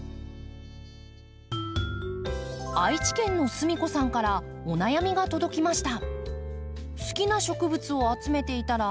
愛知県のすみこさんからお悩みが届きました。